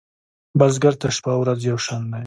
بزګر ته شپه ورځ یو شان دي